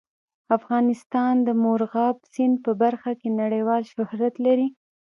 افغانستان د مورغاب سیند په برخه کې نړیوال شهرت لري.